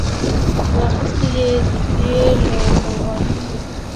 راخیستي یې دي، ډیر له سوغاتونو